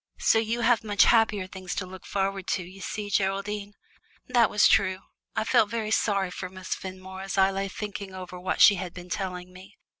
So you have much happier things to look forward to, you see, Geraldine." That was true. I felt very sorry for Miss Fenmore as I lay thinking over what she had been telling me.